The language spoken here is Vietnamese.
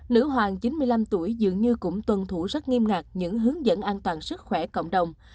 nữ hoàng chín mươi năm tuổi dường như cũng tuân thủ rất nghiêm ngặt những hướng dẫn an toàn sức khỏe cộng đồng